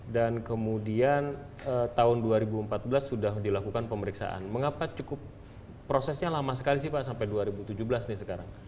dan kemudian tahun dua ribu empat belas sudah dilakukan pemeriksaan mengapa cukup prosesnya lama sekali sih pak sampai dua ribu tujuh belas nih sekarang